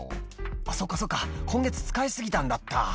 「あっそっかそっか今月使い過ぎたんだった」